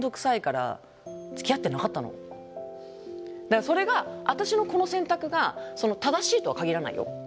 だからそれが私のこの選択が正しいとは限らないよ。